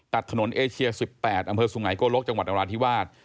ตัดถนนเอเชีย๑๘อำเภอสุไงโกลกจังหวัดนราธิวาส